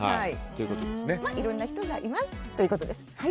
いろんな人がいますということです。